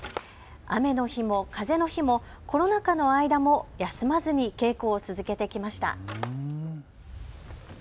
雨の日も風の日もコロナ禍の間も休まずに稽古を続けてきました。